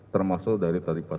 termasuk dari tersangkaan